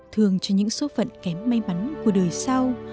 thường cho những số phận kém may mắn của đời sau